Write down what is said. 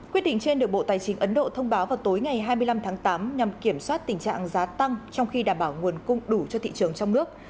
quyết định trên được bộ tài chính ấn độ thông báo vào tối ngày hai mươi năm tháng tám nhằm kiểm soát tình trạng giá tăng trong khi đảm bảo nguồn cung đủ cho thị trường trong nước